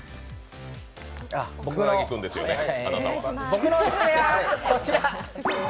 僕のオススメはこちら。